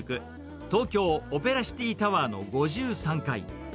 東京オペラシティタワーの５３階。